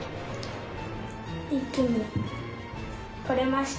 一気に取れました！